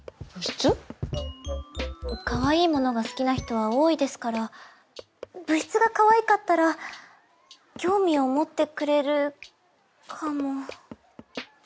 かわいいものが好きな人は多いですから部室がかわいかったら興味を持ってくれるかも。